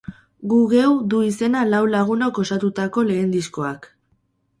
Gu geu du izena lau lagunok osatutako lehen diskoak.